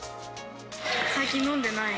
最近飲んでない。